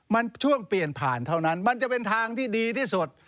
มันช่วงเปลี่ยนผ่านเท่านั้นมันจะเป็นทางที่ดีที่สุด